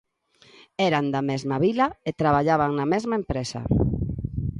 Eran da mesma vila e traballaban na mesma empresa.